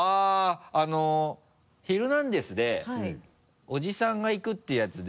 「ヒルナンデス！」でおじさんが行くっていうやつで。